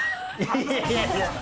いやいやいや。